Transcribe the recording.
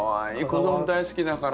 子供大好きだから。